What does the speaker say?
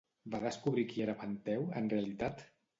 Va descobrir qui era Penteu, en realitat?